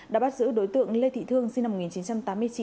đã bắt giữ đối tượng lê thị thương sinh năm một nghìn chín trăm tám mươi chín